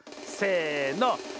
せの。